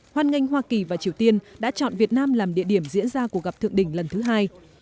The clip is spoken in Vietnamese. hoan nghênh hoa kỳ và triều tiên đã chọn việt nam làm địa điểm diễn ra cuộc gặp thượng đỉnh lần thứ hai